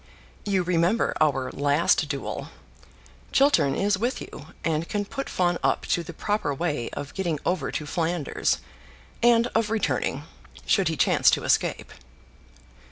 You remember our last duel. Chiltern is with you, and can put Fawn up to the proper way of getting over to Flanders, and of returning, should he chance to escape.